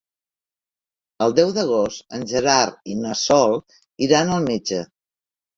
El deu d'agost en Gerard i na Sol iran al metge.